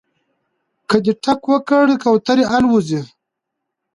که دې ټک وکړ کوترې الوځي